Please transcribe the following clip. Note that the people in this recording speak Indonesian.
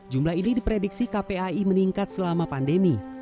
jumlah ini diprediksi kpai meningkat selama pandemi